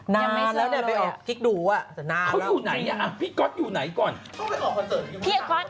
ยังไม่เจอเลยอ่ะพี่ก๊อตอยู่ไหนก่อนพี่ก๊อตอยู่ไหนก่อนต้องไปออกคอนเซิร์ต